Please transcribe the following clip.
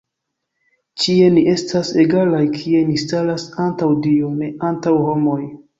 Ĉie ni estas egalaj, kie ni staras antaŭ Dio, ne antaŭ homoj.